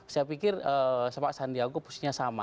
saya pikir sepak sandiaga posisinya sama